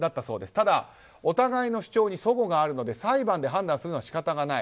ただお互いの主張に齟齬があるので裁判で判断するのは仕方がない。